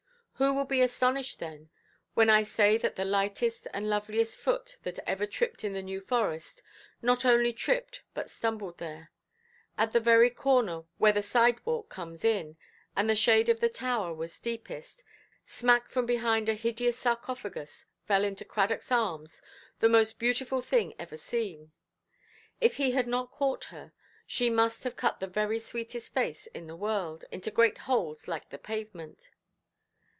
Who will be astonished, then, when I say that the lightest and loveliest foot that ever tripped in the New Forest not only tripped but stumbled there? At the very corner where the side walk comes in, and the shade of the tower was deepest, smack from behind a hideous sarcophagus fell into Cradockʼs arms the most beautiful thing ever seen. If he had not caught her, she must have cut the very sweetest face in the world into great holes like the pavement.